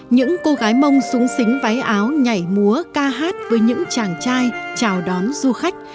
những cô gái mông súng xính váy áo nhảy múa ca hát với những chàng trai chào đón du khách